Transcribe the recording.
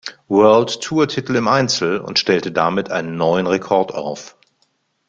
World-Tour-Titel im Einzel und stellte damit einen neuen Rekord auf.